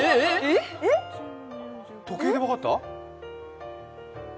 えっ、時計で分かった？